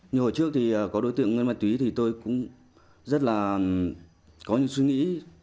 như hồi trước thì có đối tượng ngân ma túy thì tôi cũng rất là có những suy nghĩ